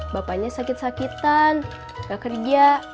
bapaknya sakit sakitan gak kerja